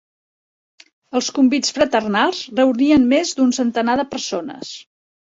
Els convits fraternals reunien més d'un centenar de persones.